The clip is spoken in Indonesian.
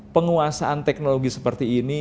penguasaan teknologi seperti ini